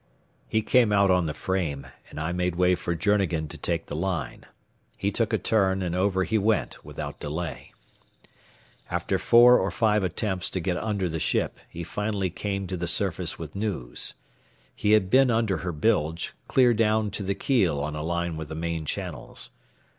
He came out on the frame, and I made way for Journegan to take the line. He took a turn, and over he went without delay. After four or five attempts to get under the ship, he finally came to the surface with news. He had been under her bilge, clear down to the keel on a line with the main channels.